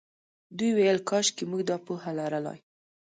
دوی ویل کاشکې موږ دا پوهه لرلای.